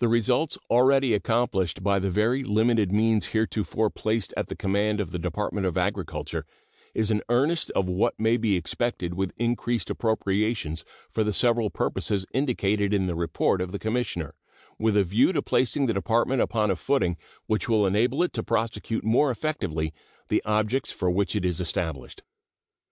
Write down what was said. The results already accomplished with the very limited means heretofore placed at the command of the Department of Agriculture is an earnest of what may be expected with increased appropriations for the several purposes indicated in the report of the Commissioner, with a view to placing the Department upon a footing which will enable it to prosecute more effectively the objects for which it is established.